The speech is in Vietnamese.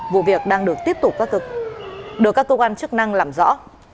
vụ việc đang được tiếp tục được các cơ quan chức năng làm rõ